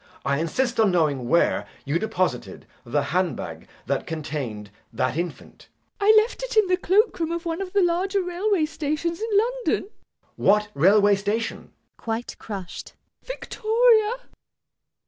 I insist on knowing where you deposited the hand bag that contained that infant. MISS PRISM. I left it in the cloak room of one of the larger railway stations in London. JACK. What railway station? MISS PRISM. [Quite crushed.] Victoria.